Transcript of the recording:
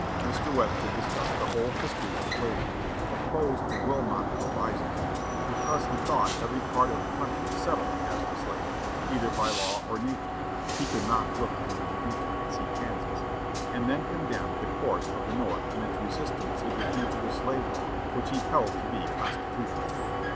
Mr. Webster discussed the whole history of slavery, opposed the Wilmot Proviso, because he thought every part of the country settled as to slavery, either by law or nature, he could not look into the future and see Kansas, and then condemned the course of the North in its resistance to the Fugitive Slave Law, which he held to be constitutional.